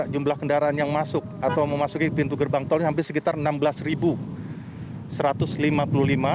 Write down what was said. jumlah kendaraan yang masuk atau memasuki pintu gerbang tol ini hampir sekitar enam belas ribu